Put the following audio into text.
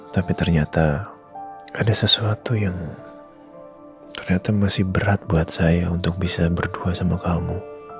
tapi ternyata ada sesuatu yang ternyata masih berat buat saya untuk bisa berdua sama kamu